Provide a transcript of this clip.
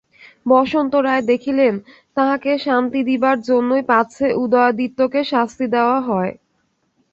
বসন্ত রায় দেখিলেন, তাঁহাকে শান্তি দিবার জন্যই পাছে উদয়াদিত্যকে শাস্তি দেওয়া হয়।